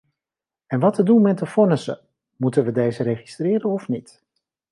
En wat te doen met de vonnissen: moeten we deze registreren of niet?